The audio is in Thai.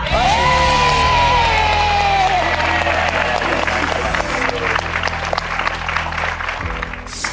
เฮ่ย